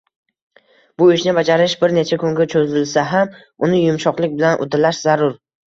Bu ishni bajarish bir necha kunga cho‘zilsa ham, uni yumshoqlik bilan uddalash zarur.